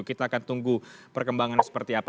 kita akan tunggu perkembangan seperti apa